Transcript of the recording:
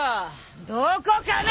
どこかな！